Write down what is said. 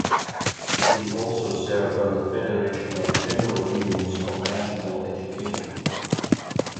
He also served on the Federation of General Unions of National Education.